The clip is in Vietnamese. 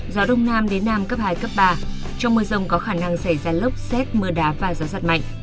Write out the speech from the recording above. gió đông nam đến nam cấp hai cấp ba trong mưa rông có khả năng xảy ra lốc xét mưa đá và gió giật mạnh